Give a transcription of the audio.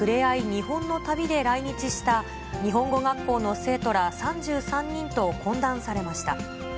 日本の旅で来日した、日本語学校の生徒ら３３人と懇談されました。